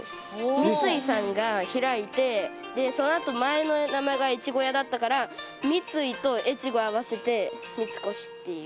三井さんが開いてそのあと前の名前が越後屋だったから三井と越後合わせて三越っていう。